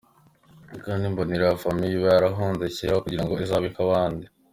knd mbona iriya famille iba yarahunze kera aho kugirango izabe k`abandi!!